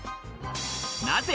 なぜ？